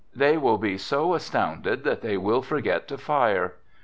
They will be so as tounded that they will forget to fire."